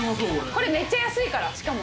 これめっちゃ安いからしかも。